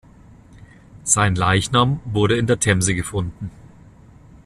Sein Leichnam wurde in der Themse gefunden.